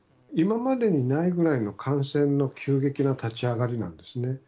今までにないぐらいの感染の急激な立ち上がりなんですね。